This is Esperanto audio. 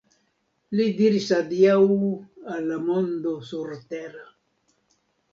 Li diris adiaŭ al la mondo surtera.